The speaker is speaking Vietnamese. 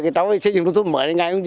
nông thôn mới